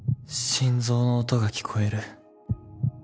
心臓の音が聞こえる